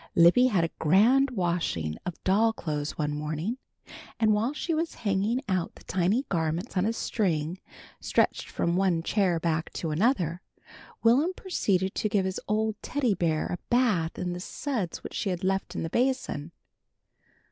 Libby had a grand washing of doll clothes one morning, and while she was hanging out the tiny garments on a string, stretched from one chair back to another, Will'm proceeded to give his old Teddy Bear a bath in the suds which she had left in the basin.